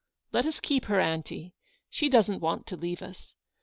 Let us keep her, aunty; she doesn't want to leave us.